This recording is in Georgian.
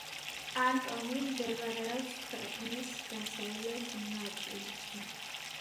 კანტონი მდებარეობს ქვეყნის დასავლეთ ნაწილში.